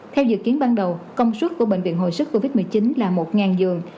theo dự kiến ban đầu công suất của bệnh viện hồi sức covid một mươi chín là một giường